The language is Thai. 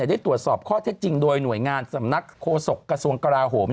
ได้ตรวจสอบข้อเท็จจริงโดยหน่วยงานสำนักโฆษกระทรวงกราโหม